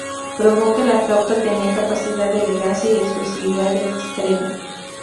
Probó que la flauta tenía capacidad de elegancia y expresividad extrema.